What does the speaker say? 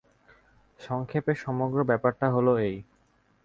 সংক্ষেপে সমগ্র ব্যাপারটা হল এই।